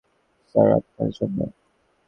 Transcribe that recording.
Sir, আপনার জন্য।